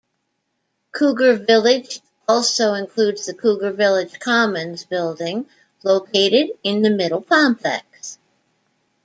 Cougar Village also includes the Cougar Village Commons Building, located in the middle complex.